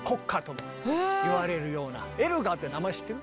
エルガーって名前知ってる？